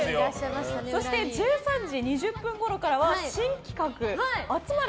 そして１３時２０分ごろからは新企画あつまれ！